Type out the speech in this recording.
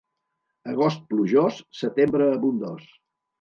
Agost plujós, setembre abundós.